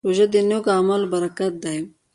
روژه د نېکو اعمالو برکت دی.